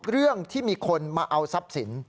เรื่องที่มีคนมาเอาทรัพย์สิน